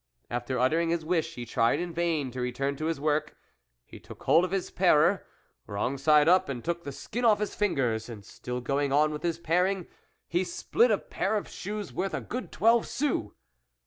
After uttering his wish, he tried in vain to return to his THE WOLF LEADER 33 work, he took hold of his parer, wrong side up, and took the skin off his ringers, and still going on with his paring he spoilt a pair of shoes worth a good twelve sous.